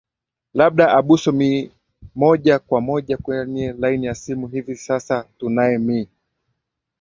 labda abuso mi moja kwa moja kwenye laini ya simu hivi sasa tunae me